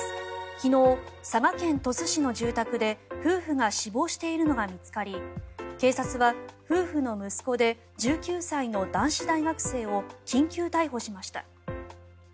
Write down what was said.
昨日、佐賀県鳥栖市の住宅で夫婦が死亡しているのが見つかり警察は、夫婦の息子で１９歳の男子大学生を緊急逮捕しました。